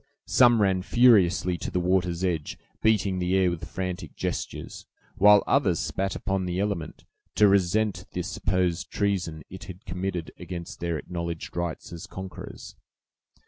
Some ran furiously to the water's edge, beating the air with frantic gestures, while others spat upon the element, to resent the supposed treason it had committed against their acknowledged rights as conquerors.